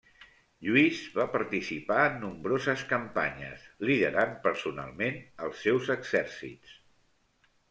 Lluís va participar en nombroses campanyes, liderant personalment els seus exèrcits.